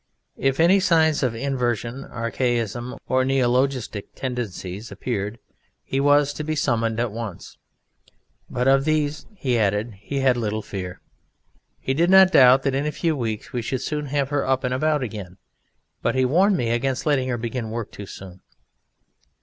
If any signs of inversion, archaism, or neologistic tendencies appeared he was to be summoned at once; but of these (he added) he had little fear. He did not doubt that in a few weeks we should have her up and about again, but he warned me against letting her begin work too soon.